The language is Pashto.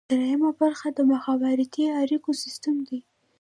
دریمه برخه د مخابراتي اړیکو سیستم دی.